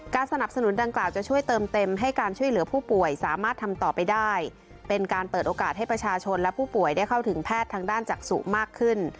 สนับสนุนดังกล่าวจะช่วยเติมเต็มให้การช่วยเหลือผู้ป่วยสามารถทำต่อไปได้เป็นการเปิดโอกาสให้ประชาชนและผู้ป่วยได้เข้าถึงแพทย์ทางด้านจักษุมากขึ้น